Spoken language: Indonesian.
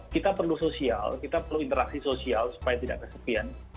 kita perlu sosial kita perlu interaksi sosial supaya tidak kesepian